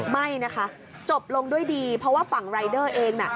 ไม่นะคะจบลงด้วยดีเพราะว่าฝั่งรายเดอร์เองน่ะ